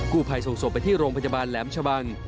กู้ไพส่ส่งสวบไปที่โรงพยาบาลแหลมชะบัง